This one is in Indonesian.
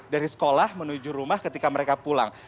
dari sekolah menuju rumah ketika mereka pulang